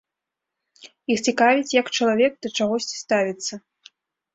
Іх цікавіць, як чалавек да чагосьці ставіцца.